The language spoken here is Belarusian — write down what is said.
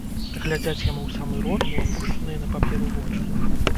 Глядзяць яму ў самы рот, у апушчаныя на паперу вочы.